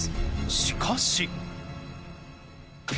しかし。